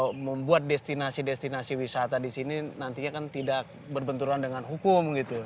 untuk membuat destinasi destinasi wisata di sini nantinya kan tidak berbenturan dengan hukum gitu